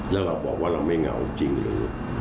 แล้วเราบอกว่าเราไม่เหงาจริงหรือ